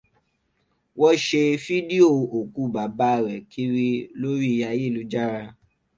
Wọ́n ṣe fídíò òkú bàbá rẹ̀ kiri lórí ayélujára.